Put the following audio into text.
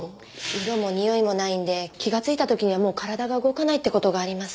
色もにおいもないんで気がついた時にはもう体が動かないって事があります。